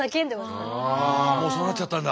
もうそうなっちゃったんだ。